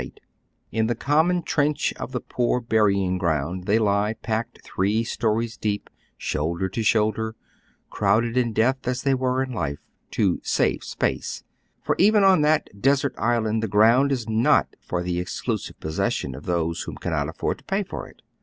,y Google 178 now TUB OTlIEll HALF LIVES, In the coHiiiioii tierieh of the Poor Burying Ground thej lie packed three stories deep, shoulder to shoulder, crowd ed in death as they were in Hfe, to "save space;" for even on that desert island the ground is not for the exelu eive possession of those who cannot afford to pay for it.